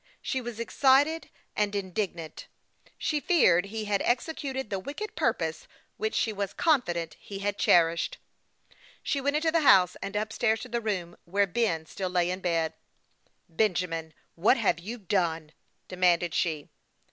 She was excited and indignant ; she feared he had executed the wicked purpose which she was confident he had cherished. She went into the house, and up stairs to the room where Ben still lay in bed. " Benjamin, what have you done ?" demanded she.